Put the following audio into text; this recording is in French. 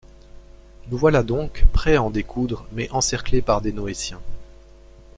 Nous voilà donc, prêts à en découdre, mais encerclés par des Noétiens.